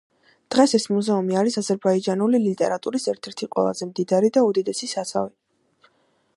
დღეს ეს მუზეუმი არის აზერბაიჯანული ლიტერატურის ერთ-ერთი ყველაზე მდიდარი და უდიდესი საცავი.